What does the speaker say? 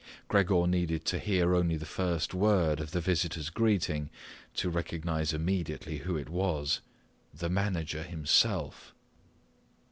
Gregor needed to hear only the first word of the visitor's greeting to recognize immediately who it was, the manager himself.